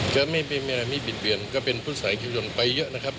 ก็ไม่มีบิดเบียนก็เป็นพุทธศาสนิกชนไปเยอะนะครับ